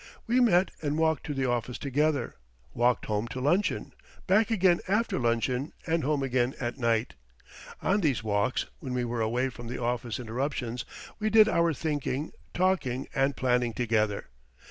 We met and walked to the office together, walked home to luncheon, back again after luncheon, and home again at night. On these walks, when we were away from the office interruptions, we did our thinking, talking, and planning together.